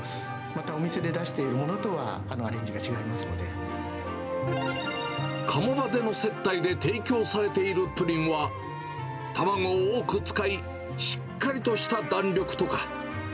またお店で出しているものとはア鴨場での接待で提供されているプリンは、卵を多く使い、しっかりとした弾力とか。